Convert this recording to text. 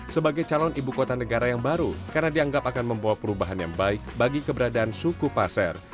sebagai calon ibu kota negara yang baru karena dianggap akan membawa perubahan yang baik bagi keberadaan suku pasar